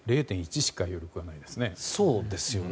０．１しか余力がないですね。